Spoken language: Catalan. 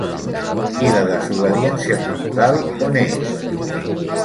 I la desobediència cultural, on és?.